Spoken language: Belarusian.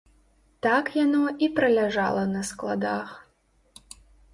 Так яно і праляжала на складах.